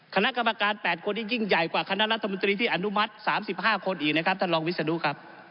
คณะกรรมการ๘คนที่ยิ่งใหญ่กว่าคณะรัฐมนตรีที่อนุมัติ๓๕คนอีกนะครับท่านรองวิศนุครับ